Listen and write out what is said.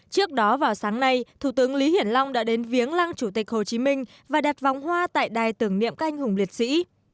trước đó vào sáng nay thủ tướng lý hiển long đã đến viếng lăng chủ tịch hồ chí minh và đặt vòng hoa tại đài tưởng niệm canh hùng liệt sĩ